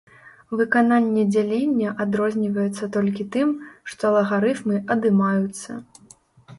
Выкананне дзялення адрозніваецца толькі тым, што лагарыфмы адымаюцца.